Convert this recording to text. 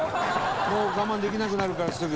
「もう我慢できなくなるからすぐ」